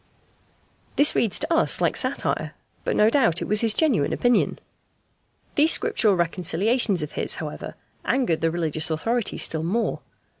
This reads to us like satire, but no doubt it was his genuine opinion. These Scriptural reconciliations of his, however, angered the religious authorities still more.